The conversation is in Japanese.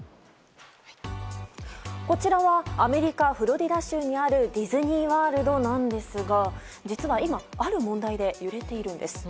こちらはアメリカ・フロリダ州にあるディズニー・ワールドなんですが実は今ある問題で揺れているんです。